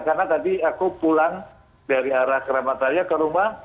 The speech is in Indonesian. karena tadi aku pulang dari arah keramat raya ke rumah